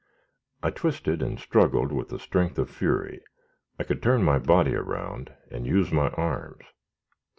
I twisted and struggled with the strength of fury. I could turn my body around, and use my arms.